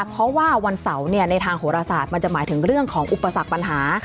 เพราะว่าวันเสาร์ในทางโหรศาสตร์มันจะหมายถึงเรื่องของอุปสรรคปัญหา